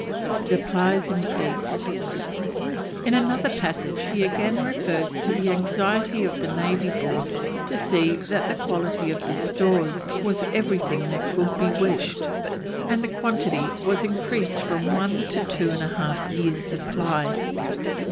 SUPPLIES INCREASED. In another passage he again refers to the anxiety of the Navy Board to see that the quality of the stores was everything that could be wished, and the quantity was increased from one to two and a half years' supply.